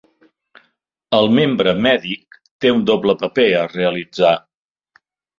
El membre mèdic té un doble paper a realitzar.